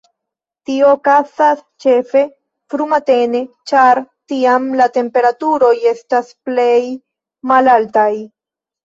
Tio okazas ĉefe frumatene, ĉar tiam la temperaturoj estas plej malaltaj.